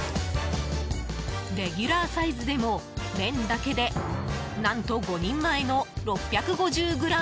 レギュラーサイズでも麺だけで何と５人前の６５０ｇ！